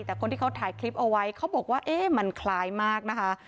แต่คนที่เขาถ่ายคลิปเอาไว้เขาบอกว่าเอ๊ะมันคล้ายมากนะคะ